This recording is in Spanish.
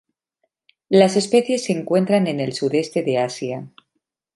Las especies se encuentran en el Sudeste de Asia.